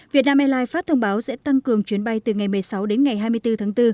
việt nam airlines phát thông báo sẽ tăng cường chuyến bay từ ngày một mươi sáu đến ngày hai mươi bốn tháng bốn